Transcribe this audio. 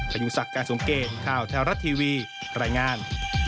ยุงศักดิ์การสมเกตข่าวแท้รัฐทีวีรายงาน